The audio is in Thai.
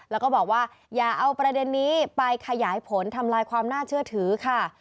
แล้วก็บอกว่าอย่าเอาประเด็นนี้ไปขยายผลทำลายความน่าเชื่อถือค่ะ